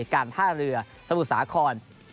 การท่าเรือสมุทรสาคร